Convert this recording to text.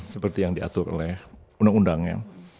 seperti yang diatur oleh undang undangnya